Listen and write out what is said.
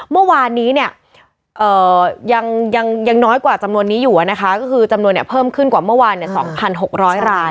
เมื่อวานนี้เนี่ยยังน้อยกว่าจำนวนนี้อยู่นะคะก็คือจำนวนเพิ่มขึ้นกว่าเมื่อวาน๒๖๐๐ราย